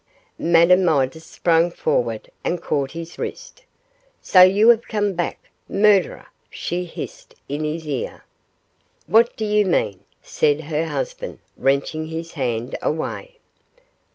Madame Midas sprang forward and caught his wrist. 'So you have come back, murderer!' she hissed in his ear. 'What do you mean?' said her husband, wrenching his hand away.